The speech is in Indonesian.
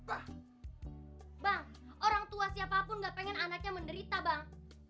bang orang tua siapapun gak pengen anaknya menderita bang